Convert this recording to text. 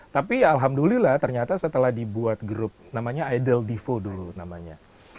tapi alhamdulillah ternyata setelah dibuat grup namanya idol divo dulu namanya